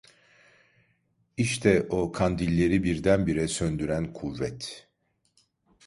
İşte o kandilleri birdenbire söndüren kuvvet…